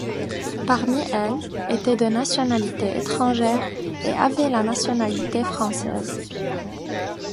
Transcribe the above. Parmi elles, étaient de nationalités étrangères et avaient la nationalité française.